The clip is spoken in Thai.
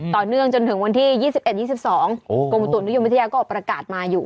ต่อเนื่องจนถึงวันที่๒๑๒๒กรมอุตุนิยมวิทยาก็ออกประกาศมาอยู่